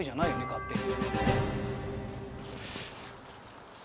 勝手に。